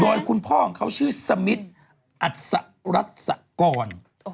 โดยคุณพ่อของเขาชื่อสมิทรอัศรัศกร